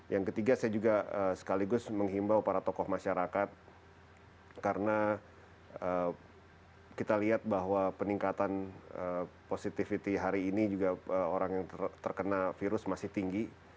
yang ketiga saya juga sekaligus menghimbau para tokoh masyarakat karena kita lihat bahwa peningkatan positivity hari ini juga orang yang terkena virus masih tinggi